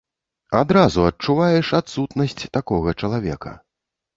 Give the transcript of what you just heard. Адразу адчуваеш адсутнасць такога чалавека.